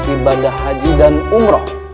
ibadah haji dan umrah